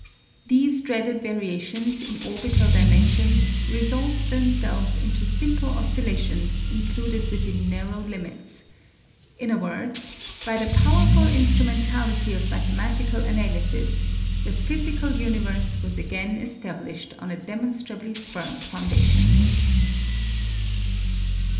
These dreaded variations in orbital dimensions resolved themselves into simple oscillations included within narrow limits. In a word, by the powerful instrumentality of mathematical analysis, the physical universe was again established on a demonstrably firm foundation.